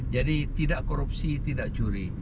jadi tidak korupsi tidak curi